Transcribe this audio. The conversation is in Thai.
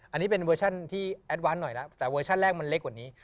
อันนี้เป็นเวอร์ชันที่แอดวานต์หน่อยแล้วแต่เวอร์ชั่นแรกมันเล็กกว่านี้